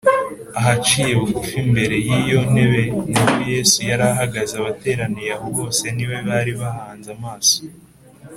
ahaciye bugufi imbere y’iyo ntebe niho yesu yari ahagaze abateraniye aho bose ni we bari bahanze amaso